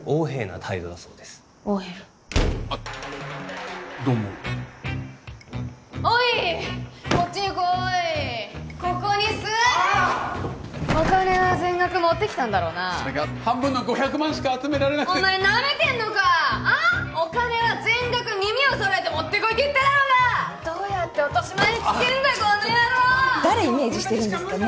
誰イメージしてるんですかね